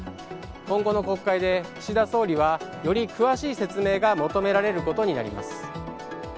今後の国会で岸田総理はより詳しい説明が求められることになります。